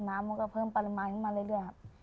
น้ำมันก็เพิ่มปริมาณขึ้นมาเรื่อยครับ